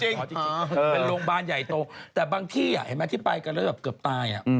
โรงพื้นบาลใหญ่ตกแต่บางทีเหมือนที่ไปแล้วคือเกือบตาย